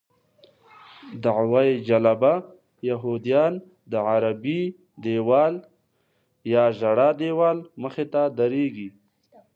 دعوه جلبه یهودیان د غربي دیوال یا ژړا دیوال مخې ته درېږي.